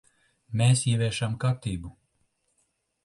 Mēs ieviešam kārtību.